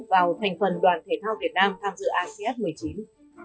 vào thành phần đoàn thể thao việt nam tham dự asean một mươi chín